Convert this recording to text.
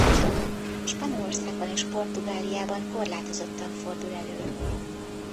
Spanyolországban és Portugáliában korlátozottan fordul elő.